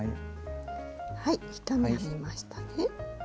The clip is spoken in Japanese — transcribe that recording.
はい１目編めましたね。